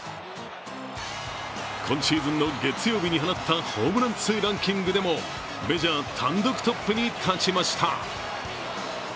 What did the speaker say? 今シーズンの月曜日に放ったホームラン数ランキングでもメジャー単独トップに立ちました。